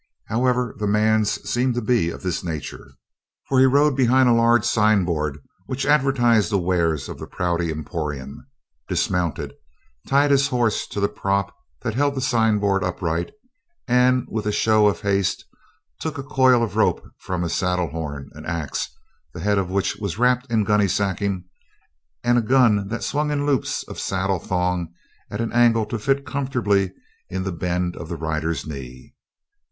However, the man's seemed to be of this nature, for he rode behind a large signboard which advertised the wares of the Prouty Emporium, dismounted, tied his horse to the prop that held the signboard upright, and with a show of haste took a coil of rope from his saddlehorn, an axe the head of which was wrapped in gunny sacking and a gun that swung in loops of saddle thongs at an angle to fit comfortably in the bend of the rider's knee.